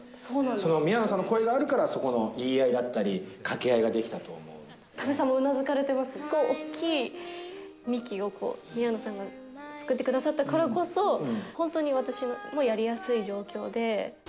宮野さんの声があるから、そこの言い合いだったり、多部さんもうなずかれていま大きい幹を宮野さんが作ってくださったからこそ、本当に私もやりやすい状況で。